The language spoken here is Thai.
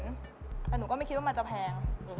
แต่หนูก็ไม่คิดว่ามันจะแพง